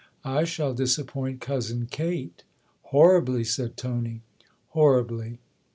I shall disappoint Cousin Kate." " Horribly/' said Tony. " Horribly."